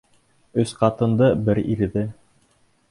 Өс ҡатынды, бер ирҙе.